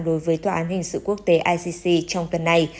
đối với tòa án hình sự quốc tế icc trong tuần này